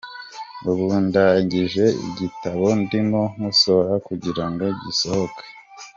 Ubu ndangije igitabo ndimo nkosora kugira ngo gisohoke.